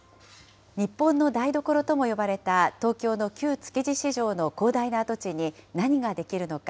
日本の台所とも呼ばれた東京の旧築地市場の広大な跡地に何が出来るのか。